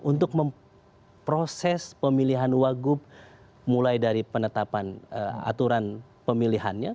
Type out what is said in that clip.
untuk memproses pemilihan wagub mulai dari penetapan aturan pemilihannya